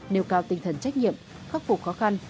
nêu cao tinh thần trách nhiệm khắc phục khó khăn